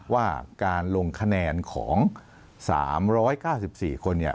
ว่าการลงคะแนนของ๓๙๔คน